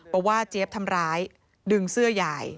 เพราะว่าเจ๊บทำร้ายดึงเสื้อยาย